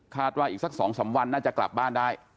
ว่าอีกสัก๒๓วันน่าจะกลับบ้านได้